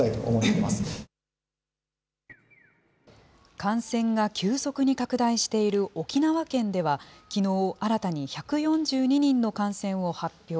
感染が急速に拡大している沖縄県ではきのう、新たに１４２人の感染を発表。